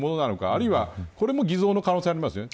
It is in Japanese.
あるいは、これも偽造の可能性がありますよね。